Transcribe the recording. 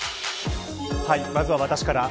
まずは私から。